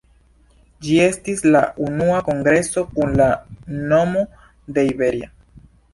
Ĝi estis la unua kongreso kun la nomo de Iberia.